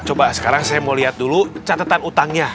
coba sekarang saya mau lihat dulu catatan utangnya